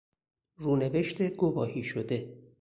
رونوشت گواهی شده